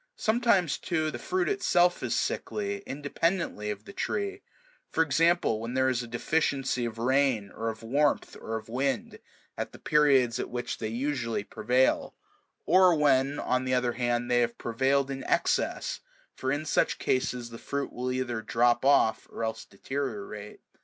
Sometimes, too, the fruit itself is sickly, independently of the tree ; for example, when there is a deficiency of rain, or of warmth, or of wind, at the periods at which they usually prevail, or when, on the other hand, they have prevailed in excess ; for in such cases the fruit will either drop off or else deteriorate.